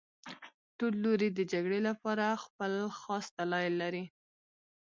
ټول لوري د جګړې لپاره خپل خاص دلایل لري